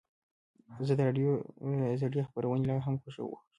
زه د راډیو زړې خپرونې لا هم خوښوم.